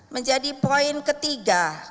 menjadi poin ketiga